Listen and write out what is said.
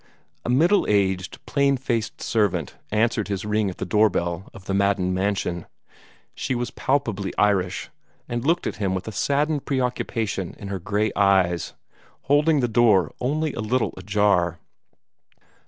A middle aged, plain faced servant answered his ring at the door bell of the Madden mansion. She was palpably Irish, and looked at him with a saddened preoccupation in her gray eyes, holding the door only a little ajar.